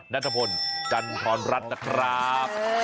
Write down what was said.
นัทพลจันทรรัฐนะครับ